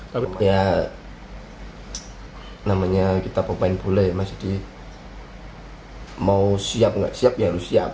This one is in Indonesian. tapi ya namanya kita pemain bola ya masih mau siap nggak siap ya harus siap